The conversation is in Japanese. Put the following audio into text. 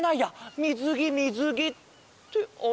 みずぎみずぎってあれ？